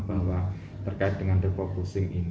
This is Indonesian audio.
bahwa terkait dengan depokrasi